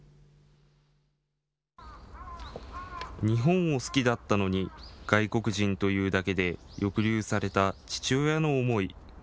日本を好きだったのに外国人というだけで抑留された父親の思い。